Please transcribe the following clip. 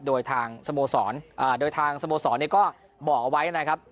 โดยทางสโมสรโดยทางสโมสรก็บอกเอาไว้นะครับ